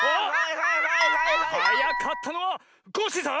はやかったのはコッシーさん！